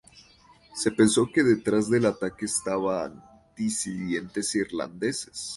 Se pensó que detrás del ataque estaban disidentes irlandeses.